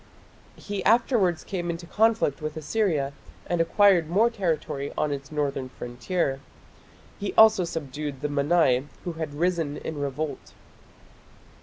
He afterwards came into conflict with Assyria, and acquired more territory on its northern frontier. He also subdued the Mannai, who had risen in revolt.